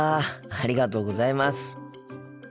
ありがとうございます。